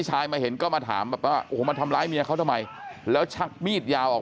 ชายมาเห็นก็มาถามแบบว่าโอ้โหมาทำร้ายเมียเขาทำไมแล้วชักมีดยาวออก